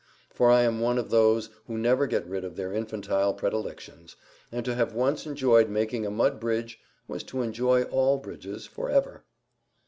For I am one of those who never get rid of their infantile predilections, and to have once enjoyed making a mud bridge, was to enjoy all bridges for ever.